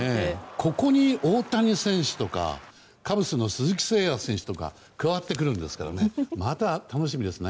ここに大谷選手とかカブスの鈴木誠也選手とか加わってくるんですからね。